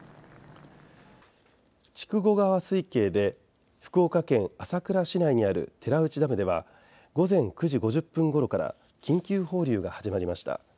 筑後川水系で福岡県朝倉市内にある寺内ダムでは午前９時５０分ごろから緊急放流が始まりました。